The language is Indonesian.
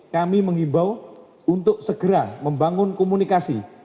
kami mengimbau untuk segera membangun komunikasi